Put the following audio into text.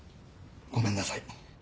ごめんなさい。